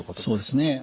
そうですね。